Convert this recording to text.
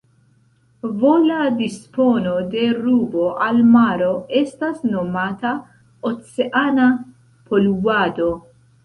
Vola dispono de rubo al maro estas nomata "oceana poluado".